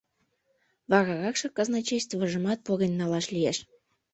Вараракше казначействыжымат поген налаш лиеш.